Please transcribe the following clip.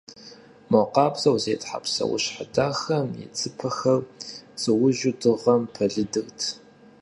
Мо къабзэу зетхьэ псэущхьэ дахэм и цыпэхэр цӀуужу дыгъэм пэлыдырт.